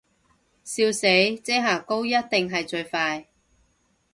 笑死，遮瑕膏一定係最快